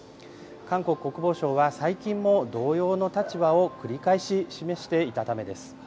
韓国国防省は、最近も同様の立場を繰り返し示していたためです。